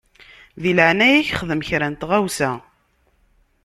Di leɛnaya-k xdem kra n tɣawsa.